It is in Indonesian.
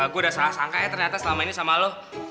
gue udah sangat sangka eh ternyata selama ini sama lo